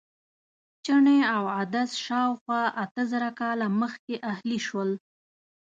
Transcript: چڼې او عدس شاوخوا اته زره کاله مخکې اهلي شول.